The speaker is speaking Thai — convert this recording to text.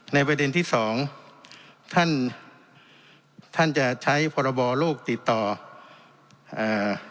ประเด็นที่สองท่านท่านจะใช้พรบโลกติดต่ออ่า